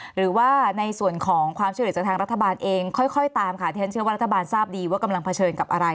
หรือว่าในส่วนของความช่วยเหลือจากทางรัฐบาลเองค่อยตามค่ะที่ฉันเชื่อว่ารัฐบาลทราบดีว่ากำลังเผชิญกับอะไร